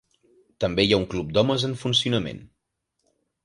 També hi ha un club d'homes en funcionament.